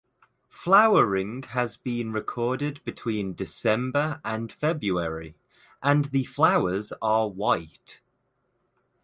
Flowering has been recorded between December and February and the flowers are white.